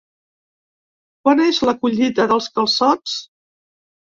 Quan és la collita dels calçots?